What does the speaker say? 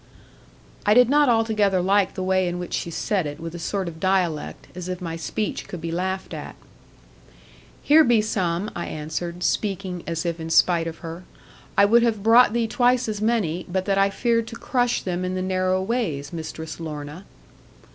I did not altogether like the way in which she said it with a sort of dialect, as if my speech could be laughed at. 'Here be some,' I answered, speaking as if in spite of her. 'I would have brought thee twice as many, but that I feared to crush them in the narrow ways, Mistress Lorna.'